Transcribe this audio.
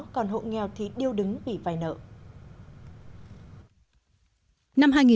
còn hộ nghèo thì điêu đứng vì phải nợ